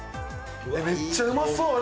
めっちゃうまそう！